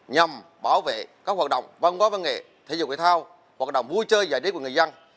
nhằm bảo vệ các hoạt động văn hóa văn nghệ thể dục thể thao hoạt động vui chơi giải đế của người dân